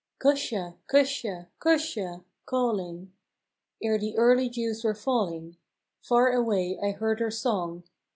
" Cusha! Cusha! Cusha! " calling, Ere the early dews were falling, Farre away I heard her song.